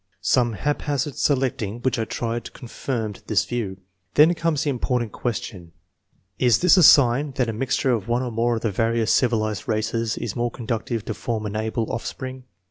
Some haphazard selecting which I tried confirmed this view. Then comes the important question, Is this a sign that a mixture of one or more of the various civi lized races is conducive . to form an able oflF spring?